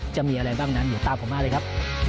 จะมีอะไรบ้างนั้นเดี๋ยวตามผมมาเลยครับ